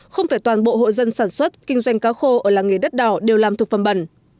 không phải toàn bộ hộ dân sản xuất kinh doanh cá khô ở làng nghề đất đỏ đều làm thực phẩm bẩn